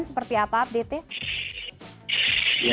seperti apa update nya